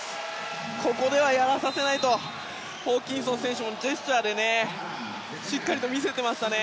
ここではやらせないとホーキンソン選手もジェスチャーでしっかりと見せていましたね。